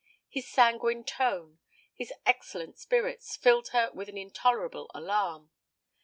His sanguine tone, his excellent spirits, filled her with intolerable alarm.